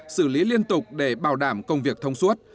xử lý liên tục để bảo đảm công việc thông suốt